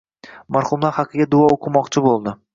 Marhumlar haqiga duo o‘qimoqchi bo‘ldi.